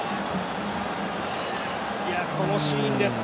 このシーンです。